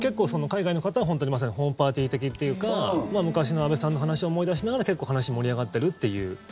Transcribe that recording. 海外の方は本当にまさにホームパーティー的というか昔の安倍さんの話を思い出しながら結構、話盛り上がってるという。